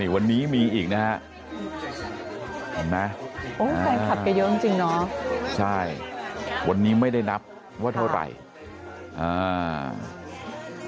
วันนี้มีอีกนะฮะแฟนคลับกระเยาะจริงเนาะใช่วันนี้ไม่ได้นับว่าเท่าไหร่